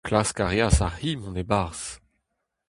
Klask a reas ar c'hi mont e-barzh.